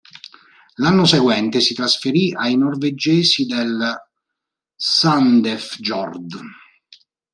L'anno seguente, si trasferì ai norvegesi del Sandefjord.